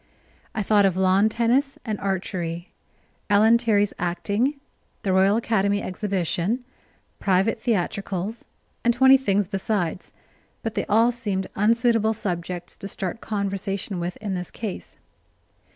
I thought of lawn tennis and archery. Ellen Terry's acting, the Royal Academy Exhibition, private theatricals, and twenty things besides, but they all seemed unsuitable subjects to start conversation with in this case.